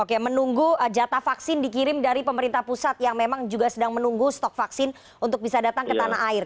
oke menunggu jatah vaksin dikirim dari pemerintah pusat yang memang juga sedang menunggu stok vaksin untuk bisa datang ke tanah air